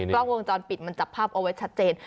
เพราะว่าวงจรปิดมันจับภาพเอาไว้ชัดเจน